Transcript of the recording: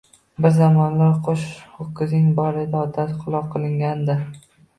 Bir zamonlar qo‘sh ho‘kizing bor deb otasi kuloq qilingan-da.